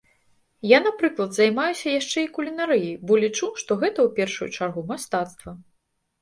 Я, напрыклад, займаюся яшчэ і кулінарыяй, бо лічу, што гэта, у першую чаргу, мастацтва.